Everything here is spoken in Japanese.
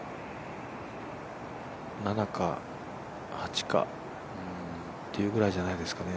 ７か８かっていうぐらいじゃないですかね。